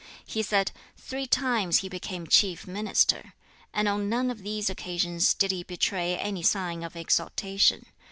He said, "Three times he became chief Minister, and on none of these occasions did he betray any sign of exultation.